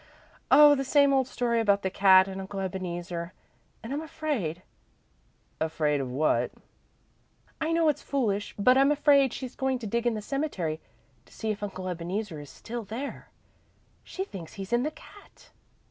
"Oh, the same old story about the cat and Uncle Ebeneezer. And I'm afraid " "Afraid of what?" "I know it's foolish, but I'm afraid she's going to dig in the cemetery to see if Uncle Ebeneezer is still there. She thinks he's in the cat."